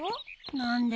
何で？